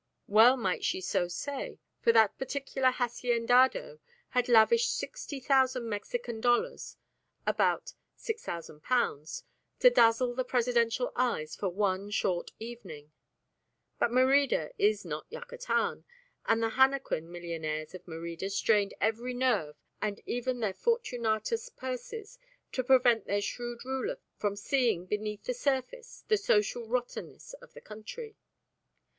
Well might she so say, for that particular haciendado had lavished 60,000 Mexican dollars (about £6,000) to dazzle the presidential eyes for one short evening. But Merida is not Yucatan, and the henequen millionaires of Merida strained every nerve and even their Fortunatus purses to prevent their shrewd ruler from seeing, beneath the surface, the social rottenness of the country.